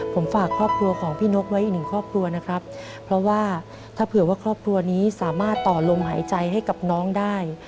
ผมฝากครอบครัวของพี่นกไว้อีกหนึ่งครอบครัวนะครับเพราะว่าถ้าเผื่อว่าครอบครัวนี้สามารถต่อลมหายใจให้กับน้องได้